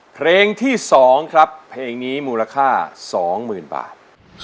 เพลงที่สองครับเพลงนี้มูลค่าสองหมื่นบาท